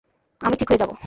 আমি ঠিক হয়ে যাব।